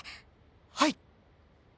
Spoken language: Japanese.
はい！